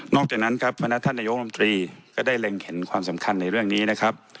จากนั้นครับพนักท่านนายกรมตรีก็ได้เล็งเห็นความสำคัญในเรื่องนี้นะครับ